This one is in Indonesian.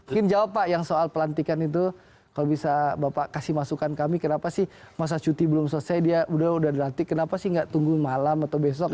mungkin jawab pak yang soal pelantikan itu kalau bisa bapak kasih masukan kami kenapa sih masa cuti belum selesai dia udah dilantik kenapa sih nggak tunggu malam atau besok